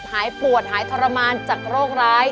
หายปวดหายทรมานจากโรคร้าย